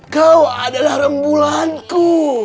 kau adalah rembulanku